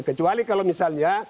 kecuali kalau misalnya